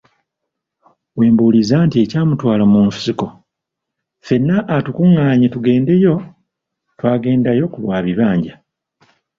We mbuuliza nti ekyamutwala mu nsiko, ffenna atukungaanye tugendeyo twagendayo ku lwa bibanja?